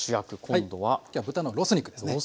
今日は豚のロース肉ですね。